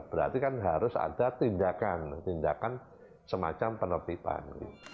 berarti kan harus ada tindakan tindakan semacam penertiban